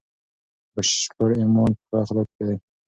بشپړ ایمان په ښو اخلاقو کې دی.